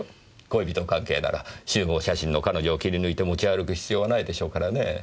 恋人関係なら集合写真の彼女を切り抜いて持ち歩く必要はないでしょうからねぇ。